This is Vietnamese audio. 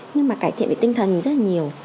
nhưng mà cải thiện về tinh thần rất là nhiều